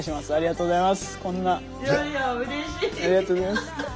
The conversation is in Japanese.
ありがとうございます。